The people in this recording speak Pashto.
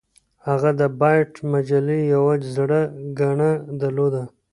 هغه د بایټ مجلې یوه زړه ګڼه درلوده